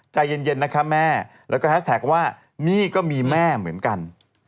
ใจเย็นนะคะแม่แล้วก็แฮสแท็กว่านี่ก็มีแม่เหมือนกัน